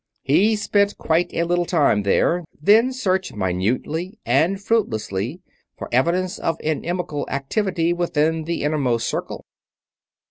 He spent quite a little time there, then searched minutely and fruitlessly for evidence of inimical activity within the Innermost Circle.